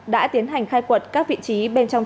đã tiến hành khai quật các vị trí bên trong